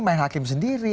main hakim sendiri